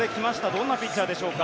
どんなピッチャーでしょうか。